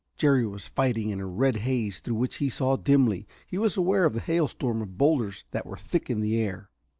Jerry was fighting in a red haze through which he saw dimly. He was aware of the hailstorm of boulders that were thick in the air.